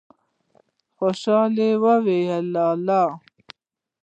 خوشالی يې وويل: لا لا!